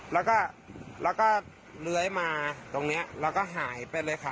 แล้วก็เลื้อยมาตรงนี้แล้วก็หายไปเลยค่ะ